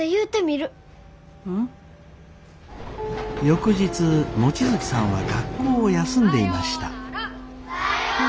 翌日望月さんは学校を休んでいました。